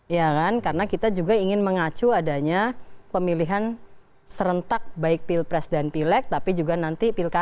ya kan karena kita juga ingin mengacu adanya pemilihan serentak baik pilpres dan pilek tapi juga nanti pilkada